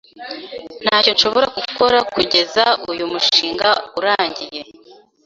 Ntacyo nshobora gukora kugeza uyu mushinga urangiye.